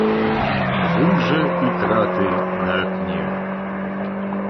Вунь жа і краты на акне.